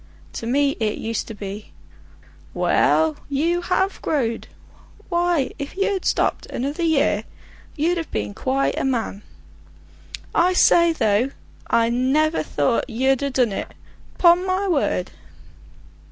To me it used to be: "Well, you have growed! Why, if you'd stopped another year you'd have been quite a man. I say, though I never thought you'd ha' done it; 'pon my word!"